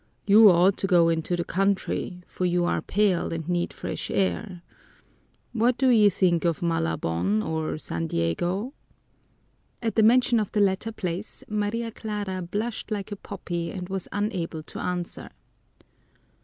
"You ought to go into the country, for you are pale and need fresh air. What do you think of Malabon or San Diego?" At the mention of the latter place Maria Clara blushed like a poppy and was unable to answer.